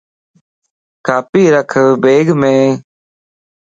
کاپي رک بيگ ام